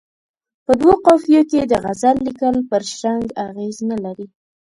په دوو قافیو کې د غزل لیکل پر شرنګ اغېز نه لري.